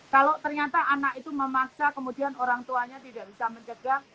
kalau ternyata anak itu memaksa kemudian orang tuanya tidak bisa mencegah